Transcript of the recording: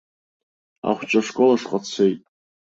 Ахәҷы ашкол ашҟа дцеит.